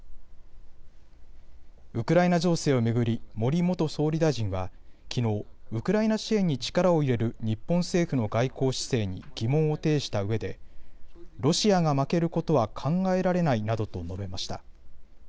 ウクライナ情勢を巡り森元総理大臣はきのうウクライナ支援に力を入れる日本政府の外交姿勢に疑問を呈したうえでロシアが負けることは考えられないなどと述べました。